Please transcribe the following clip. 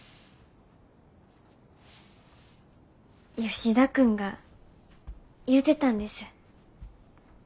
吉田君が言うてたんです。